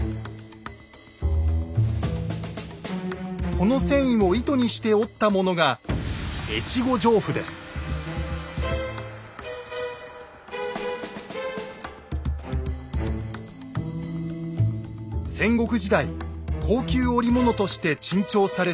この繊維を糸にして織ったものが戦国時代高級織物として珍重された越後上布。